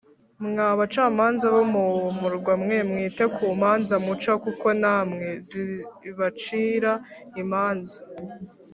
Mwa bacamanza bo mu murwa mwe mwite ku manza muca kuko namwe zibacira imanza